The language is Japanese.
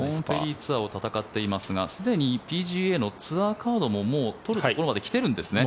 ツアーを戦っていますがすでにＰＧＡのツアーカードももう取るところまで来ているんですね。